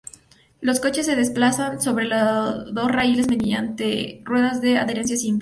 Los coches se desplazan sobre dos raíles mediante ruedas de adherencia simple.